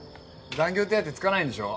残業手当つかないんでしょ？